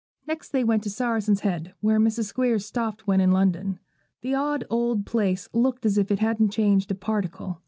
Next they went to the Saracen's Head, where Mr. Squeers stopped when in London. The odd old place looked as if it hadn't changed a particle.